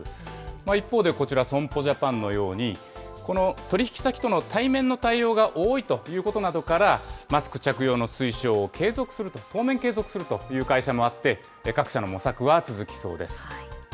一方でこちら、損保ジャパンのように、取り引き先との対面の対応が多いということなどから、マスク着用の推奨を継続すると、当面継続するという会社もあって、各社の模索は続きそうです。